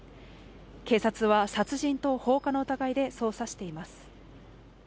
警察は殺人と放火の疑いで捜査しています